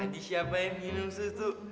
tadi siapa yang minum susu